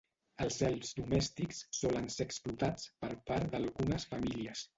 Els elfs domèstics solen ser explotats per part d'algunes famílies.